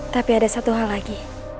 tapi ada satu hal lagi